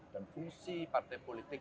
dan fungsi partai politik